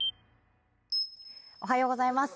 おはようございます。